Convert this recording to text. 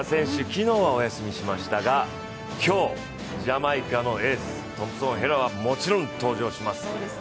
昨日はお休みしましたが、今日、ジャマイカのエース、トンプソン・ヘラはもちろん登場します。